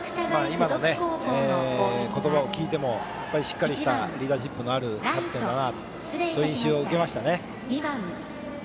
今の言葉を聞いてもしっかりしたリーダーシップのあるキャプテンだなとそういう印象を受けましたね。